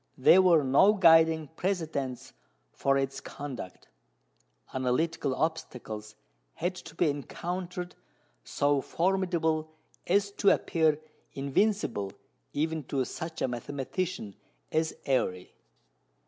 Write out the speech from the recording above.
There were no guiding precedents for its conduct. Analytical obstacles had to be encountered so formidable as to appear invincible even to such a mathematician as Airy.